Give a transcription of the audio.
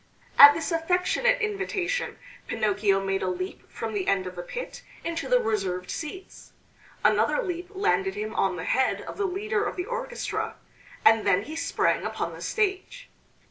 At this affectionate invitation Pinocchio made a leap from the end of the pit into the reserved seats; another leap landed him on the head of the leader of the orchestra, and then he sprang upon the stage.